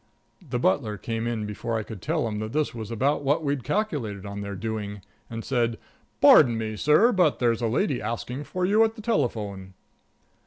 The butler came in before I could tell him that this was about what we'd calculated on their doing, and said: "Beg pardon, sir, but there's a lady asking for you at the telephone."